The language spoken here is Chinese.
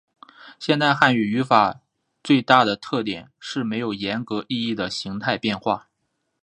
现代汉语语法最大的特点是没有严格意义的形态变化。